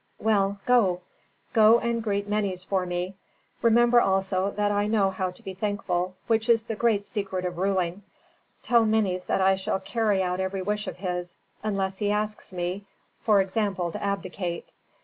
"Well, go; go and greet Menes for me. Remember also that I know how to be thankful, which is the great secret of ruling. Tell Menes that I shall carry out every wish of his, unless he asks me, for example, to abdicate.